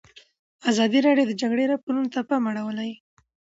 ازادي راډیو د د جګړې راپورونه ته پام اړولی.